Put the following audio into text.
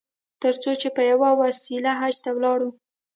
تر څو چې په یوه وسیله حج ته ولاړ.